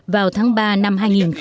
vào tháng ba năm hai nghìn một mươi chín